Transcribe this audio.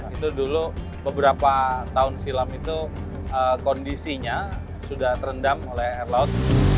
itu dulu beberapa tahun silam itu kondisinya sudah terendam oleh air laut